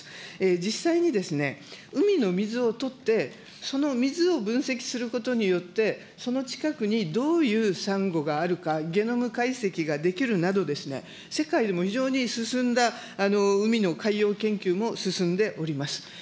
実際に、海の水を取って、その水を分析することによって、その近くにどういうさんごがあるか、ゲノム解析ができるなどですね、世界でも非常に進んだ海の海洋研究も進んでおります。